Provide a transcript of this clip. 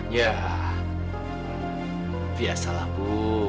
ya biasalah bu